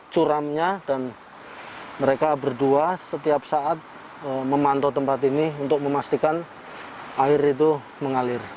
curamnya dan mereka berdua setiap saat memantau tempat ini untuk memastikan air itu mengalir